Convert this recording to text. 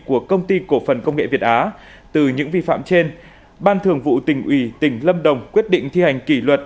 của công ty cổ phần công nghệ việt á từ những vi phạm trên ban thường vụ tỉnh ủy tỉnh lâm đồng quyết định thi hành kỷ luật